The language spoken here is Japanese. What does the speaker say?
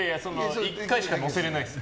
１回しか載せれないです。